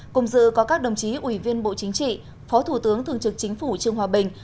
cùng dự có các đồng chí ủy viên bộ chính trị phó thủ tướng thường trực chính phủ trương hòa bình